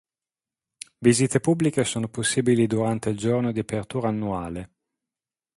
Visite pubbliche sono possibili durante il giorno di apertura annuale.